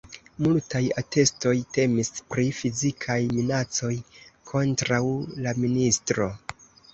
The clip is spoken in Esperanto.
Multaj atestoj temis pri fizikaj minacoj kontraŭ la ministro.